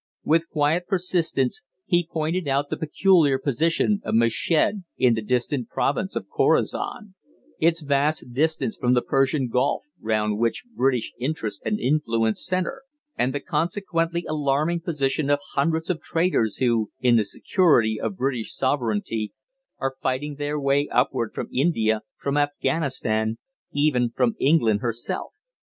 With quiet persistence he pointed out the peculiar position of Meshed in the distant province of Khorasan; its vast distance from the Persian Gulf, round which British interests and influence centre, and the consequently alarming position of hundreds of traders who, in the security of British sovereignty, are fighting their way upward from India, from Afghanistan, even from England herself.